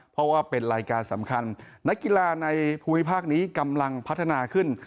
เพราะว่าเป็นรายการสำคัญนักกีฬาในภูมิภาคนี้กำลังพัฒนาขึ้น